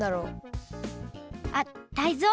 あっタイゾウ？